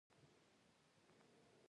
ورځنی مزل کول د وزن کنترول کې مرسته کوي.